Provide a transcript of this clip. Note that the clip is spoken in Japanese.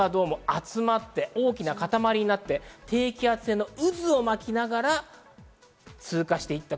雨雲が集まって大きな塊になって低気圧への渦を巻きながら通過していった。